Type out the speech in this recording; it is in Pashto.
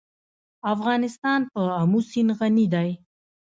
افغانستان په آمو سیند غني دی.